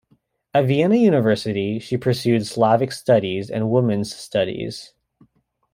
At Vienna University she pursued Slavic Studies and Women's Studies.